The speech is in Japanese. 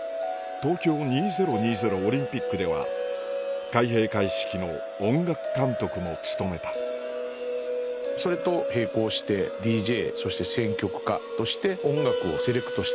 東京２０２０オリンピックでは開閉会式の音楽監督も務めたそれと並行してＤＪそして選曲家として。